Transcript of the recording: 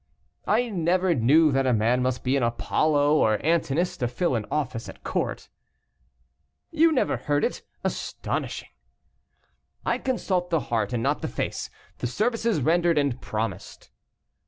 "I never knew that a man must be an Apollo, or Antinous, to fill an office at court." "You never heard it; astonishing!" "I consult the heart and not the face the services rendered and promised."